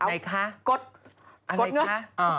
ไหนไหนคะอะไรคะ